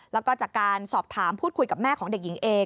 แล้วก็จากการสอบถามพูดคุยกับแม่ของเด็กหญิงเอ